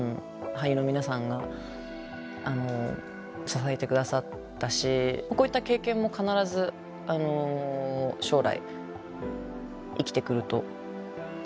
俳優の皆さんが支えて下さったしこういった経験も必ず将来生きてくると思ってます。